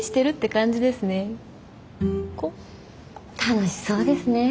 楽しそうですね。